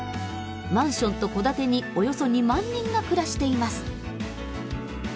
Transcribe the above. マンションと戸建てにおよそ２万人が暮らしています。